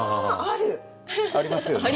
ありますよね。